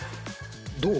どう？